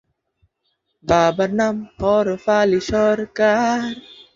বাবার নাম হরফ আলী সরকার।